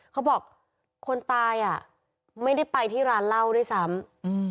เขาบอกคนตายอ่ะไม่ได้ไปที่ร้านเหล้าด้วยซ้ำอืม